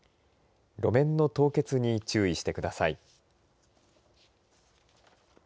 路面の凍結に注意してください。